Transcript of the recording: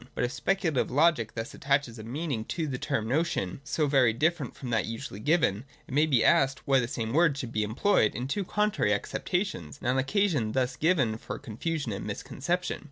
But if Speculative Logic thus attaches a meaning to the term notion so very different from that usually given, it may be asked why the same word should be employed in two contrarj' acceptations, and an occasion thus given for con fusion and misconception.